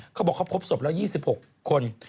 เขาบอกเขาพบศพแล้ว๒๖คน